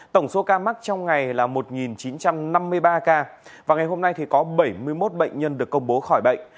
tổng số ca mắc trong ngày là một chín trăm năm mươi ba ca và ngày hôm nay có bảy mươi một bệnh nhân được công bố khỏi bệnh